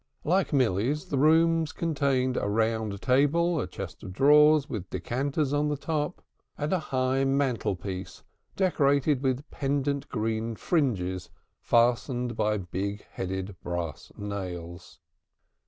Like Milly's, the room contained a round table, a chest of drawers with decanters on the top, and a high mantelpiece decorated with pendant green fringes, fastened by big headed brass nails.